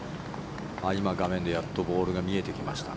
今画面でやっとボールが見えてきました。